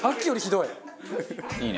いいね。